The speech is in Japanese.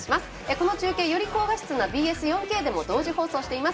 この中継より高画質なＢＳ４Ｋでも同時放送しています